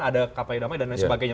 ada kapal damai dan lain sebagainya